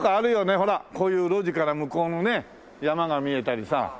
ほらこういう路地から向こうのね山が見えたりさ。